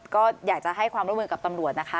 ก็อยากจะให้ความร่วมมือกับตำรวจนะคะ